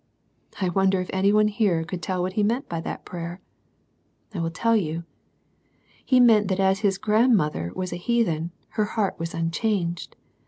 I wonder if any one here could tell what he meant by that prayer? I will tell you. He meant that as his grandmother was a heathen, her heart was unchanged.